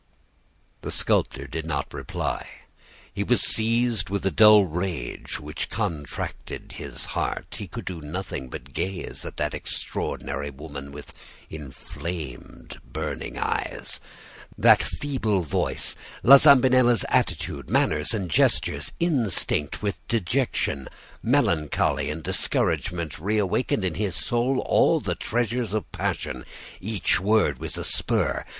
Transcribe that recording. "The sculptor did not reply. He was seized with a dull rage which contracted his heart. He could do nothing but gaze at that extraordinary woman, with inflamed, burning eyes. That feeble voice, La Zambinella's attitude, manners, and gestures, instinct with dejection, melancholy, and discouragement, reawakened in his soul all the treasures of passion. Each word was a spur.